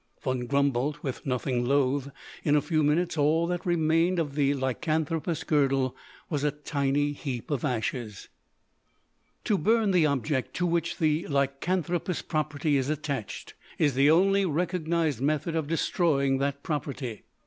Von Grumboldt was nothing loath, and in a few minutes all that remained of the lycanthropous girdle was a tiny heap of ashes. To burn the object to which the lycanthropous property is attached is the only recognized method of destroying that property.